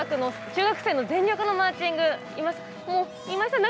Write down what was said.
中学生の全力のマーチング今井さん